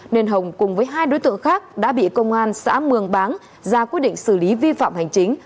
nên hồng cùng với hai đối tượng khác đã bị công an xã mường báng ra quyết định xử lý vi phạm hành chính